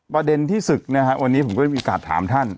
ประเด็นที่ศึกนะครับวันนี้ผมก็จะมีอากาศถามท่าน